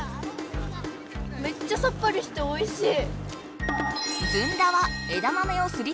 めっちゃさっぱりしておいしい！